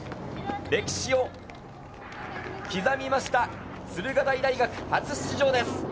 歴史を刻みました、駿河台大学初出場です。